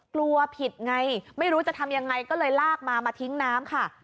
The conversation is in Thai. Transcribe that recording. กลัวผิดไงไม่รู้จะทำยังไงก็เลยลากมามาทิ้งน้ำค่ะ